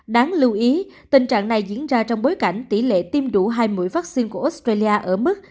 đáng lưu ý tình trạng này diễn ra trong bối cảnh tỷ lệ tiêm đủ hai mũi vaccine của australia ở mức